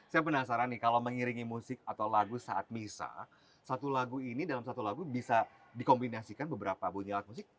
saya penasaran nih kalau mengiringi musik atau lagu saat bisa satu lagu ini dalam satu lagu bisa dikombinasikan beberapa bunyi alat musik